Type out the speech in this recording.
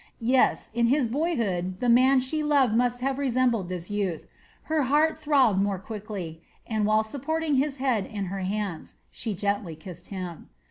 Yes, in his boyhood the man she loved must have resembled this youth. Her heart throbbed more quickly and, while supporting his head in her hands, she gently kissed him.